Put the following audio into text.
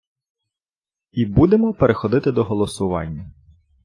І будемо переходити до голосування.